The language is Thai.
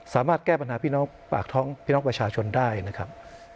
สามารถแก้ปัญหาพี่น้องปากท้องพี่น้องประชาชนได้นะครับ